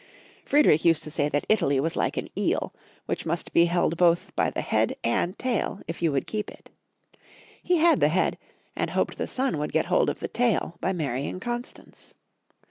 Friedrich used to say that Italy was like an eel, which must be held both by the head and tail if you would keep it. He had the head, and hoped the son would get hold of the tail by marrying Constance.